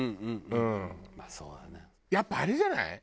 やっぱりあれじゃない？